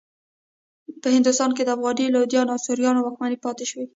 په هندوستان کې د افغاني لودیانو او سوریانو واکمنۍ پاتې شوې.